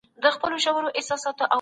د قصاص په تطبیق کي برکت دی.